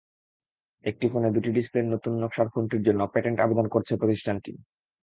একটি ফোনে দুটি ডিসপ্লের নতুন নকশার ফোনটির জন্য প্যাটেন্ট আবেদন করেছে প্রতিষ্ঠানটি।